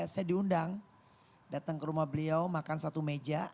saya diundang datang ke rumah beliau makan satu meja